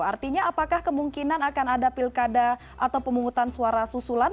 artinya apakah kemungkinan akan ada pilkada atau pemungutan suara susulan